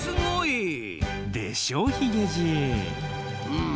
うん。